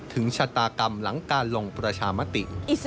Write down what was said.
ชะตากรรมหลังการลงประชามติ